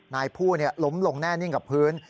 นายผู้ล้มลงแน่นิ่งกับพื้น